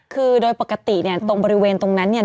คือโดยปกติเนี่ยตรงบริเวณตรงนั้นเนี่ย